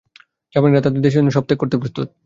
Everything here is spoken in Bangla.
জাপানীরা তাদের দেশের জন্যে সব ত্যাগ করতে প্রস্তুত।